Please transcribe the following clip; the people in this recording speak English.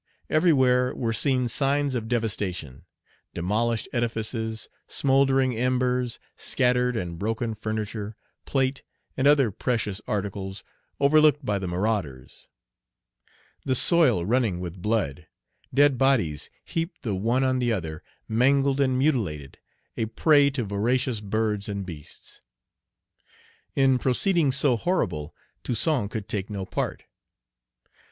Everywhere were seen signs of devastation, demolished edifices, smouldering embers, scattered and broken furniture, plate, and other precious articles overlooked by the marauders; the soil running with blood, dead bodies heaped the one on the other, mangled and mutilated, a prey to voracious birds and beasts. In proceedings so horrible Toussaint could take no part.